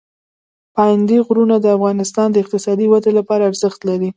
پابندي غرونه د افغانستان د اقتصادي ودې لپاره ارزښت لري.